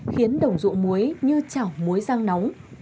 khiến đồng dụ muối như chảo muối sang nóng